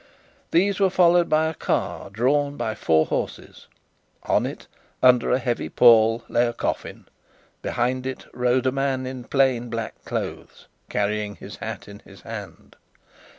These were followed by a car drawn by four horses: on it, under a heavy pall, lay a coffin; behind it rode a man in plain black clothes, carrying his hat in his hand.